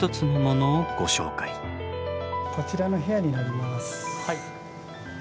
こちらの部屋になります。